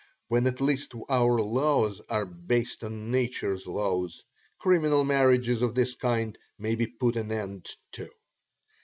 When at last our laws are based on nature's laws, criminal marriages of this kind may be put an end to."